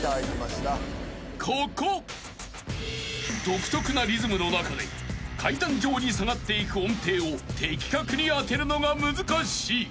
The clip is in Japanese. ［独特なリズムの中で階段状に下がっていく音程を的確にあてるのが難しい］